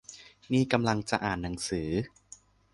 นี่กำลังจะอ่านหนังสือ